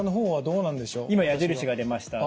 今矢印が出ました。